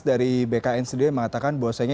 dari bkn sendiri yang mengatakan bahwa